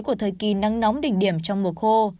của thời kỳ nắng nóng đỉnh điểm trong mùa khô